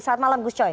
selamat malam gus coy